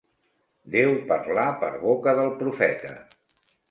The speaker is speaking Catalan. Déu parlà per boca del profeta.